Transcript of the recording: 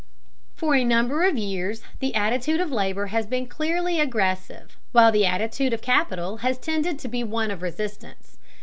For a number of years the attitude of labor has been clearly aggressive, while the attitude of capital has tended to be one of resistance.